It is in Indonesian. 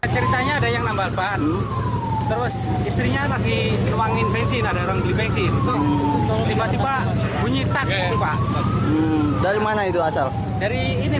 ceritanya ada yang nambal ban terus istrinya lagi kewangin bensin